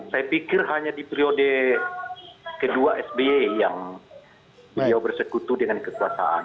saya pikir hanya di periode kedua sby yang beliau bersekutu dengan kekuasaan